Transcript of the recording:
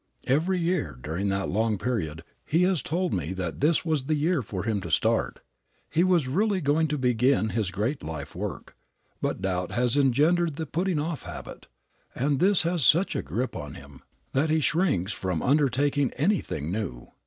Every year during that long period he has told me that this was the year for him to start. He was really going to begin his great life work, but doubt has engendered the putting off habit, and this has such a grip upon him that he shrinks from undertaking anything new.